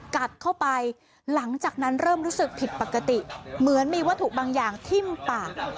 กัดเข้าไปหลังจากนั้นเริ่มรู้สึกผิดปกติเหมือนมีวัตถุบางอย่างทิ้มปาก